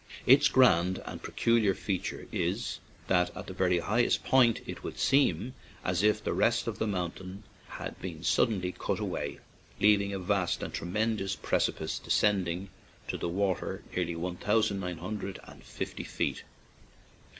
Its grand and peculiar feature is that at the very highest point it would seem as if the rest of the mountain had been sud denly cut away, leaving a vast and tre mendous precipice descending to the water nearly one thousand nine hundred and 87 ON AN IRISH JAUNTING CAR fifty feet.